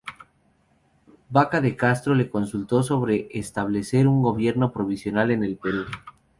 Vaca de Castro le consultó sobre establecer un gobierno provisional en el Perú.